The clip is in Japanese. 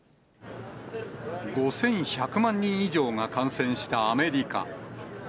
５１００万人以上が感染したアメリカ。